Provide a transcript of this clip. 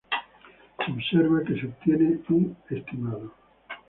Se observa que se obtiene un estimado